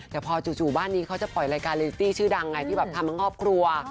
แต่พอจูบ้านนี้เขาจะปล่อยรายการลีเตี้ยชื่อดังไงที่ทำข้องครัว